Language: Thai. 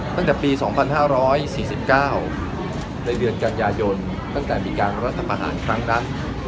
ตั้งแต่ปี๒๕๔๙ในเดือนกันยายนตั้งแต่มีการรัฐประหารครั้งนั้น